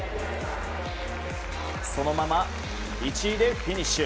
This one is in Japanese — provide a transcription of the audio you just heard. そのまま、１位でフィニッシュ。